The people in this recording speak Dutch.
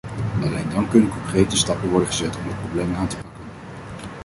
Alleen dan kunnen concrete stappen worden gezet om het probleem aan te pakken.